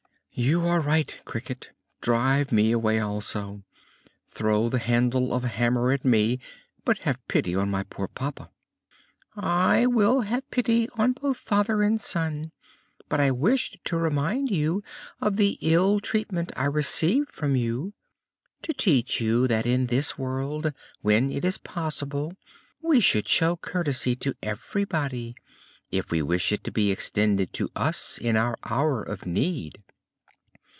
"You are right, Cricket! Drive me away also! Throw the handle of a hammer at me, but have pity on my poor papa." "I will have pity on both father and son, but I wished to remind you of the ill treatment I received from you, to teach you that in this world, when it is possible, we should show courtesy to everybody, if we wish it to be extended to us in our hour of need."